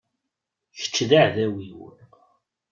Kečč daεdaw-iw.